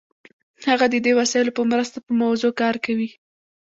هغه د دې وسایلو په مرسته په موضوع کار کوي.